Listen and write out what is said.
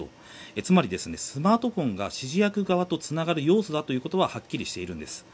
つまり、スマートフォンが指示役側とつながる要素ということははっきりしているんです。